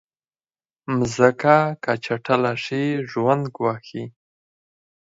مځکه که چټله شي، ژوند ګواښي.